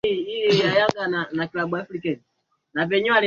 kusudio wakilambwa kwa goli moja kwa nunge